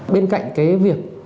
bên cạnh việc